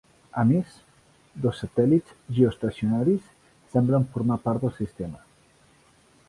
A més, dos satèl·lits geoestacionaris semblen formar part del sistema.